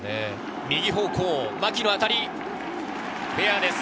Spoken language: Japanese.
右方向、牧の当たり、フェアです。